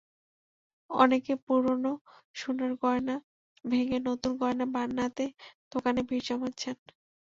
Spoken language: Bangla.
অনেকে পুরোনো সোনার গয়না ভেঙে নতুন নকশার গয়না বানাতে দোকানে ভিড় জমাচ্ছেন।